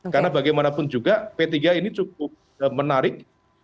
karena bagaimanapun juga p tiga ini cukup menarik